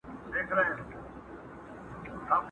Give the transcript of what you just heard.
توري شپې لا ګوري په سهار اعتبار مه کوه.!